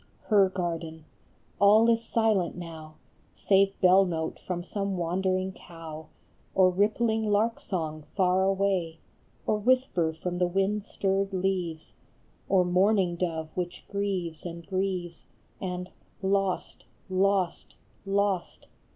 Her garden ! All is silent now, Save bell note from some wandering cow, Or rippling lark song far away, Or whisper from the wind stirred leaves, IN HER GARDEN. Ill Or mourning dove which grieves and grieves, And " Lost ! lost ! lost